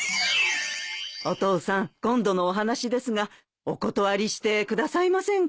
お父さん今度のお話ですがお断りしてくださいませんか？